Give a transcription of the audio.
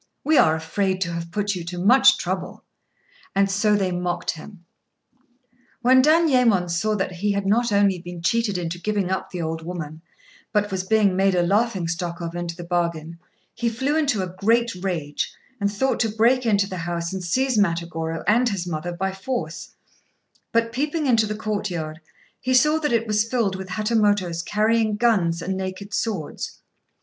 We are afraid we have put you to much trouble." And so they mocked him. When Danyémon saw that he had not only been cheated into giving up the old woman, but was being made a laughing stock of into the bargain, he flew into a great rage, and thought to break into the house and seize Matagorô and his mother by force; but, peeping into the courtyard, he saw that it was filled with Hatamotos, carrying guns and naked swords.